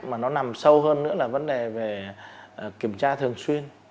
mà nó nằm sâu hơn nữa là vấn đề về kiểm tra thường xuyên